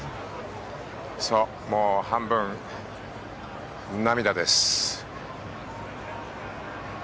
もう半分涙です。